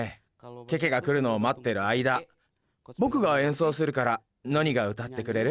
ケケが来るのをまってる間ぼくがえんそうするからノニが歌ってくれる？